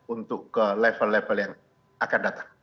untuk ke level level yang akan datang